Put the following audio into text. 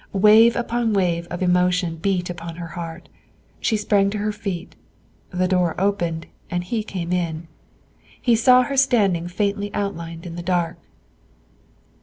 Wave upon wave of emotion beat upon her heart; she sprang to her feet; the door opened, and he came in. He saw her standing faintly outlined in the dark.